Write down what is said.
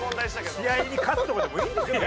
「試合に勝つ」とかでもいいんですよ別に。